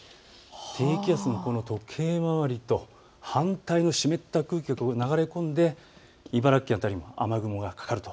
低気圧は時計と反対回りで湿った空気が流れ込んで茨城県に雨雲がかかる。